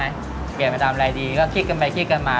เปลี่ยนไปทำอะไรดีก็คลิกกันไปคลิกกันมา